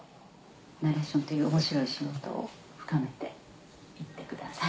ナレーションという面白い仕事を深めて行ってください。